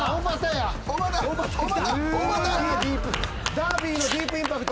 ダービーのディープインパクト。